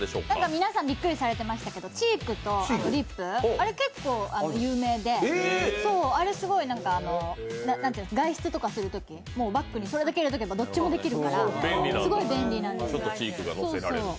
皆さん、びっくりされていましたけど、チークとリップ、あれ結構有名であれすごい、外出とかするとき、それだけ入れておけばどっちもできるからすごい便利なんです。